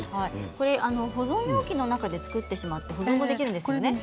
保存容器の中で作ってしまって保存もできるんですよね。